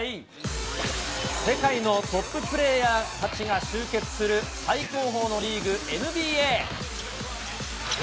世界のトッププレーヤーたちが集結する最高峰のリーグ、ＮＢＡ。